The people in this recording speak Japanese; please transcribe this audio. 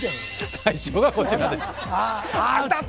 大賞はこちらです。